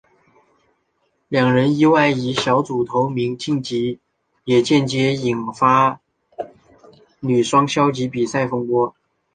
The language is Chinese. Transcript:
两人意外以小组头名晋级也间接引发女双消极比赛风波。